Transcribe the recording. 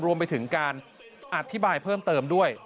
รวมไปถึงการอธิบายเพิ่มเติมด้วย